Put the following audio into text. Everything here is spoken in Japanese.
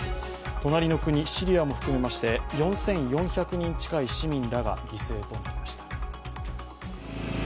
隣の国、シリアも含めまして４４００人近い市民らが犠牲となりました。